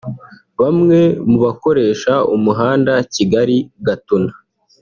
Bamwe mu bakoresha umuhanda Kigali- Gatuna